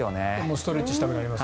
ストレッチしたくなります。